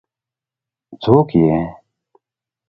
ـ څوک یې؟